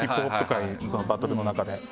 界のバトルの中で。